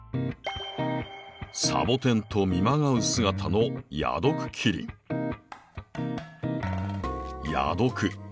サボテンと見まがう姿の矢毒。